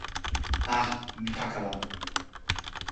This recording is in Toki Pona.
a! mi pakala!